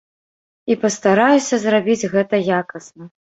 І пастараюся зрабіць гэта якасна.